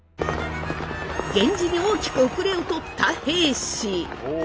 源氏に大きく後れを取った平氏。